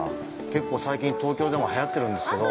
結構最近東京でも流行ってるんですけど。